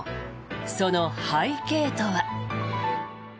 その背景とは。